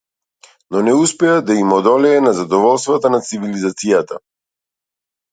Но не успеа да им одолее на задоволствата на цивилизацијата.